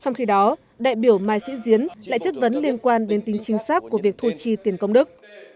trong khi đó đại biểu mai sĩ diến lại chất vấn liên quan đến tính chính xác của việc thu chi tiền công đức